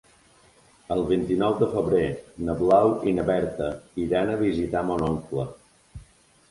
El vint-i-nou de febrer na Blau i na Berta iran a visitar mon oncle.